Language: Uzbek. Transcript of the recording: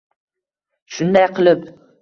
Shunday qilib —